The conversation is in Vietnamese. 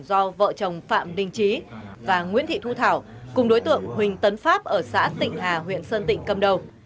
do vợ chồng phạm đinh trí và nguyễn thị thu thảo cùng đối tượng huỳnh tấn pháp ở xã tịnh hà huyện sơn tịnh cầm đầu